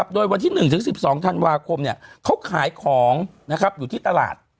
โดยวันที่๑๑๒ธันวาคมเนี่ยเขาขายของนะครับอยู่ที่ตลาด